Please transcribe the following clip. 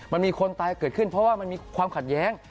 มันมีคนตายเกิดขึ้นเพราะว่ามันมีความขัดแย้ง